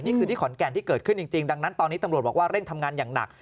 นี่คือที่ขอนแก่นที่เกิดขึ้นจริงดังนั้นตอนนี้ตำรวจบอกว่าเร่งทำงานอย่างหนัก